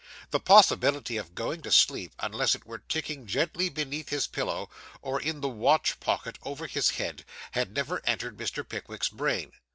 The possibility of going to sleep, unless it were ticking gently beneath his pillow, or in the watch pocket over his head, had never entered Mr. Pickwick's brain.